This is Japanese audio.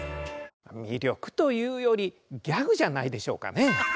魅力というよりギャグじゃないでしょうかね。